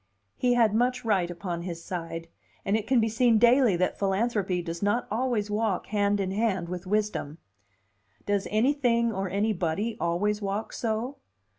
He had much right upon his side; and it can be seen daily that philanthropy does not always walk hand in hand with wisdom. Does anything or anybody always walk so?